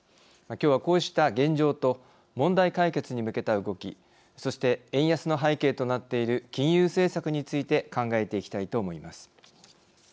今日は、こうした現状と問題解決に向けた動きそして円安の背景となっている金融政策について考えていきたいと思います。